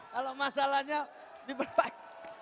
kalau masalahnya diperbaiki